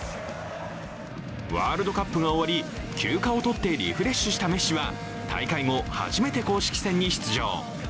ワールドカップが終わり、休暇を取ってリフレッシュしたメッシは、大会後、初めて公式戦に出場。